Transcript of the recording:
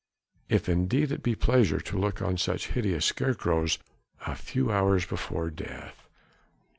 If indeed it be pleasure to look on such hideous scarecrows a few hours before death.